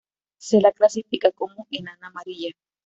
Se la clasifica como enana amarilla.